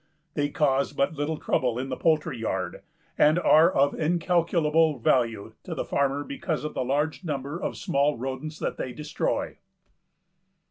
They cause but little trouble in the poultry yard and are of incalculable value to the farmer because of the large number of small rodents that they destroy.